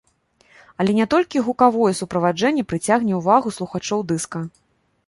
Але не толькі гукавое суправаджэнне прыцягне ўвагу слухачоў дыска.